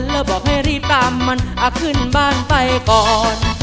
แล้วบอกให้รีบตามมันขึ้นบ้านไปก่อน